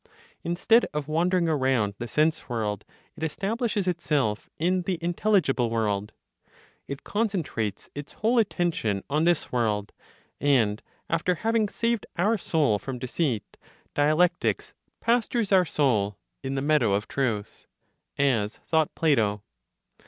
Instead of wandering around the sense world, it establishes itself in the intelligible world; it concentrates its whole attention on this world, and after having saved our soul from deceit, dialectics "pastures our soul in the meadow of truth," (as thought Plato).